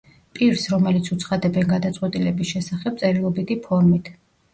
პირს, რომელიც უცხადებენ გადაწყვეტილების შესახებ წერილობითი ფორმით.